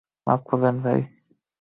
মাফ করবেন ভাই।